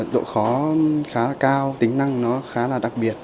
độ khó khá là cao tính năng nó khá là đặc biệt